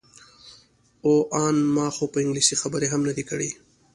او ان ما خو په انګلیسي خبرې هم نه دي کړې.